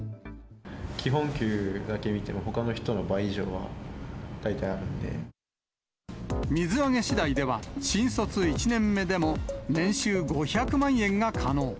基本給だけ見ても、水揚げしだいでは、新卒１年目でも、年収５００万円が可能。